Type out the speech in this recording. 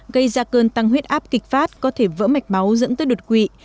gây ra cơn tăng huyết áp kịch phát có thể vỡ mạch máu dẫn tới đột quỵ